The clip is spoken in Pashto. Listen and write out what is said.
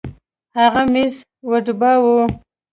هغه ميز وډباوه.